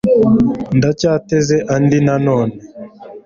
ndacyateze andi na none